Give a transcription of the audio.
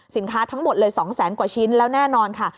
สินค้าทั้งหมดเลย๒๐๐๐๐๐กว่าชิ้นแล้วแน่นอนค่ะ